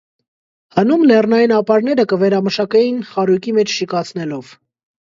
Հնում լեռնային ապարները կը վերամշակէին խարոյկի մէջ շիկացնելով։